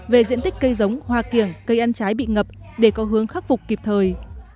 về diện tích cây giống hoa kiểng cây ăn trái bị ngập để có hướng khắc phục kịp thời